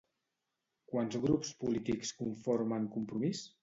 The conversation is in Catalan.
Quants grups polítics conformen Compromís?